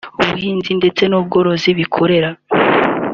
ubuhinzi ndetse n’abandi bikorera